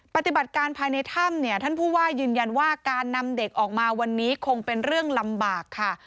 ปฏิบัติการภายในถ้ำเนี่ยท่านผู้ว่ายืนยันว่าการนำเด็กออกมาวันนี้คงเป็นเรื่องลำบากค่ะ